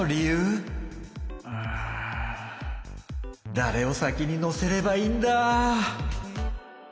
だれを先に乗せればいいんだ？